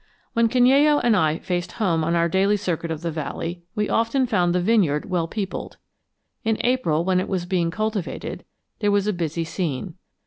When Canello and I faced home on our daily circuit of the valley, we often found the vineyard well peopled. In April, when it was being cultivated, there was a busy scene.